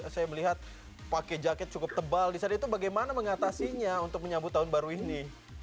saya melihat pakai jaket cukup tebal di sana itu bagaimana mengatasinya untuk menyambut tahun baru ini